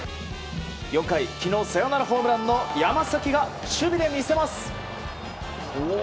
４回昨日サヨナラホームランの山崎が守備で見せます！